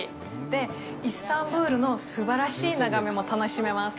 で、イスタンブールのすばらしい眺めも楽しめます。